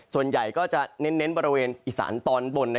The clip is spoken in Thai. ส่วนใหญ่ก็จะเน้นบริเวณอิสานตอนบน